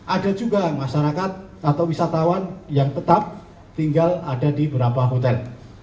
ada juga masyarakat atau wisatawan yang tetap tinggal ada di beberapa hotel